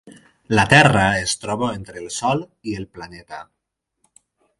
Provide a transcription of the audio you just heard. La Terra es troba entre el Sol i el planeta.